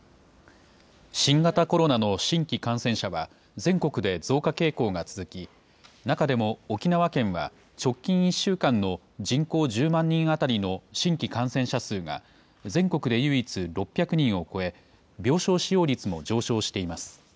新型コロナの新規感染者は全国で増加傾向が続き、中でも沖縄県は直近１週間の人口１０万人当たりの新規感染者数が全国で唯一６００人を超え、病床使用率も上昇しています。